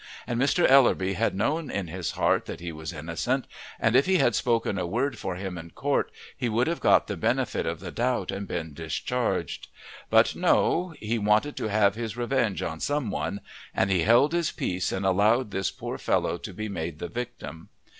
And Mr. Ellerby had known in his heart that he was innocent, and if he had spoken a word for him in court he would have got the benefit of the doubt and been discharged. But no, he wanted to have his revenge on some one, and he held his peace and allowed this poor fellow to be made the victim.